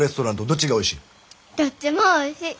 どっちもおいしい。